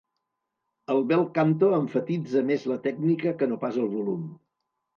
El bel canto emfatitza més la tècnica que no pas el volum.